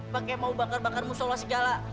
pakai mau bakar bakar musola segala